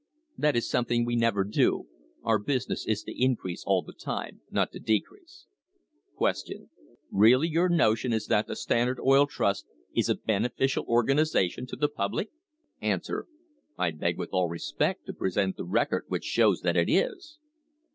That is something we never do; our business is to increase all the time, not to decrease. Q. Really your notion is that the Standard Oil Trust is a beneficial organisation to the public ? A. I beg with all respect to present the record which shows that it is.